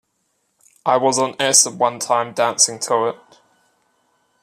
I was on acid one time dancing to it.